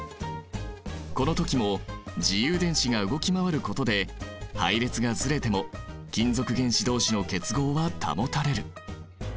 この時も自由電子が動き回ることで配列がずれても金属原子どうしの結合は保たれる。